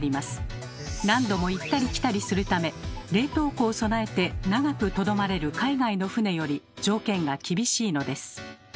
何度も行ったり来たりするため冷凍庫を備えて長くとどまれる海外の船より条件が厳しいのです。